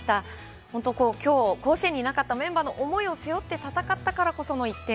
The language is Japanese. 甲子園にいなかったメンバーの思いを背負って戦ったからこその１点。